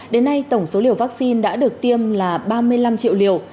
đến nay tổng số liều vaccine đã được tiêm là ba mươi năm triệu liều